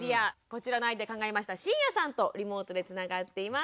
こちらのアイデア考えました椎谷さんとリモートでつながっています。